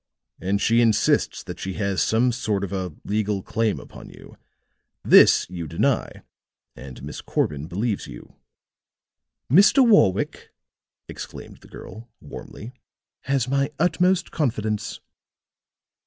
And she insists that she has some sort of a legal claim upon you. This you deny; and Miss Corbin believes you." "Mr. Warwick," exclaimed the girl, warmly, "has my utmost confidence."